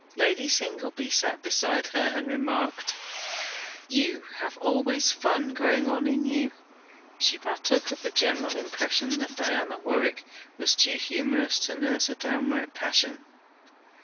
Lady Singleby sat beside her, and remarked: 'You have always fun going on in you!' She partook of the general impression that Diana Warwick was too humorous to nurse a downright passion.